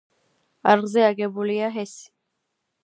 არხზე აგებულია ჰესი.